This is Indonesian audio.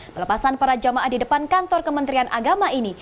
pelepasan para jamaah di depan kantor kementerian agama ini